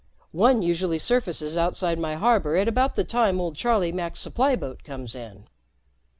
One usually surfaces outside my harbor at about the time old Charlie Mack's supply boat comes in."